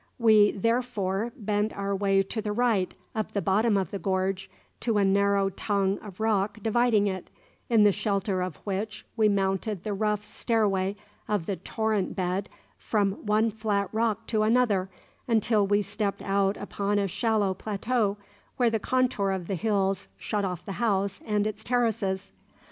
We therefore bent our way to the right up the bottom of the gorge, to a narrow tongue of rock dividing it, in the shelter of which we mounted the rough stairway of the torrent bed from one flat rock to another until we stepped out upon a shallow plateau where the contour of the hills shut off the house and its terraces.